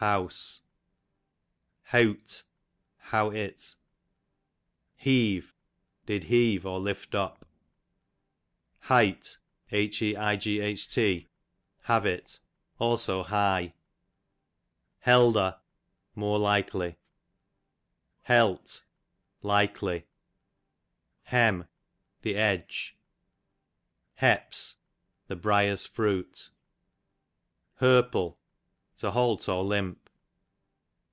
Heawse, house. Heawt, how it. Heeve, did heave, or lift up. Height, have it ; also high. Helder, more likely. Halt, nicely. Hem, the edge. Heps, the briers fruit. Herple, to halt or limp.